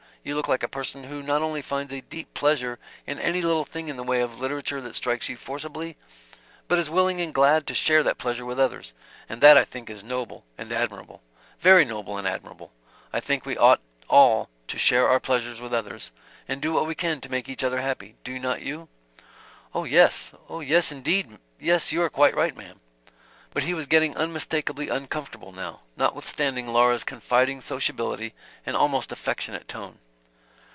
You look like a person who not only finds a deep pleasure in any little thing in the way of literature that strikes you forcibly, but is willing and glad to share that pleasure with others and that, I think, is noble and admirable very noble and admirable. I think we ought all to share our pleasures with others, and do what we can to make each other happy, do not you?" "Oh, yes. Oh, yes, indeed. Yes, you are quite right, ma'm." But he was getting unmistakably uncomfortable, now, notwithstanding Laura's confiding sociability and almost affectionate tone.